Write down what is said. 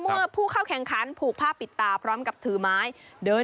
เมื่อผู้เข้าแข่งขันผูกผ้าปิดตาพร้อมกับถือไม้เดิน